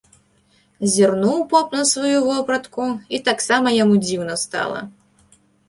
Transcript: Зірнуў поп на сваю вопратку, і таксама яму дзіўна стала.